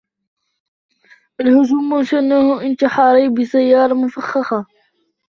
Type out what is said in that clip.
الهجوم شنه انتحاري بسيارة مفخخة.